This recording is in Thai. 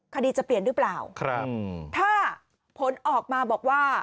คดีจะเปลี่ยนหรือเปล่าครับถ้าผลออกมาบอกว่า